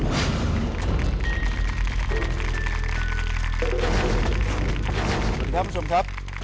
สวัสดีครับคุณผู้ชมครับ